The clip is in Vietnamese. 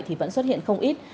thì vẫn xuất hiện không ít